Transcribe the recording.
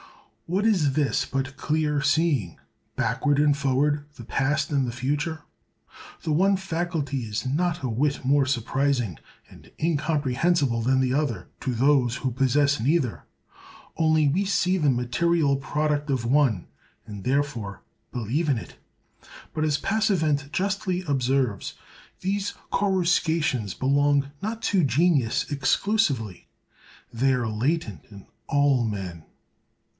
What is this but clear seeing, backward and forward, the past and the future? The one faculty is not a whit more surprising and incomprehensible than the other, to those who possess neither; only we see the material product of one, and therefore believe in it. But, as Passavent justly observes, these coruscations belong not to genius exclusively—they are latent in all men.